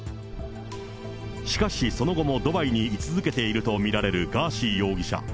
しかしその後もドバイに居続けていると見られるガーシー容疑者。